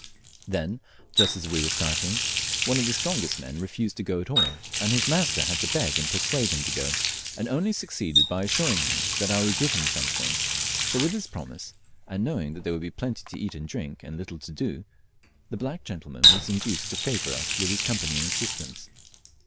Then, just as we were starting, one of the strongest men refused to go at all, and his master had to beg and persuade him to go, and only succeeded by assuring him that I would give him something; so with this promise, and knowing that there would be plenty to eat and drink and little to do, the black gentleman was induced to favour us with his company and assistance.